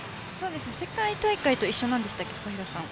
世界大会と一緒なんでしたっけ？